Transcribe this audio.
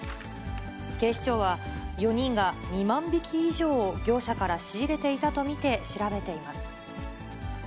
警視庁は、４人が２万匹以上を業者から仕入れていたと見て調べています。